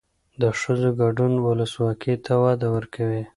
د ښځو ګډون ولسواکۍ ته وده ورکوي.